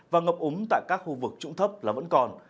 và ngập úng tại các khu vực trũng thấp là vẫn còn